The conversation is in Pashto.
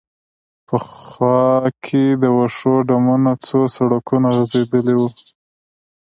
په خوا کې د وښو ډمونه، څو سړکونه غځېدلي و.